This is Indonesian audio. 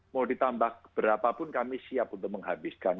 mau ditambah berapa pun kami siap untuk menghabiskan